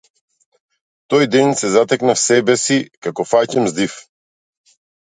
Тој ден се затекнав себе си како фаќам здив.